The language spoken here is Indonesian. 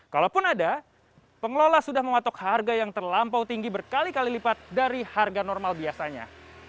kalaupun ada pengelola sudah mematok harga yang terlampau tinggi berkali kali lipat dari harga normal biasanya